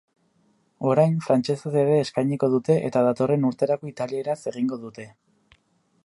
Orain frantsesez ere eskainiko dute eta datorren urterako italieraz egingo dute.